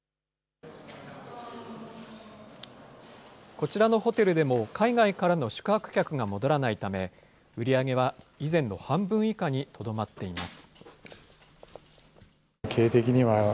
こちらのホテルでも、海外からの宿泊客が戻らないため、売り上げは以前の半分以下にとどまっています。